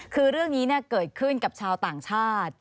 คือเรื่องนี้เกิดขึ้นกับชาวต่างชาติ